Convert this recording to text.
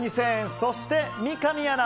そして、三上アナ